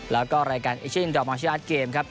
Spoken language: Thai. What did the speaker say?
แล้วก็รายการเอเชียนอินดอลมองเชียร์อาร์ดเกมครับ